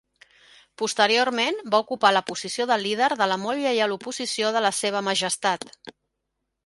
Posteriorment, va ocupar la posició de líder de la Molt Lleial Oposició de la Seva Majestat.